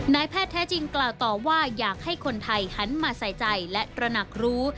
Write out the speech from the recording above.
แพทย์แท้จริงกล่าวต่อว่าอยากให้คนไทยหันมาใส่ใจและตระหนักรู้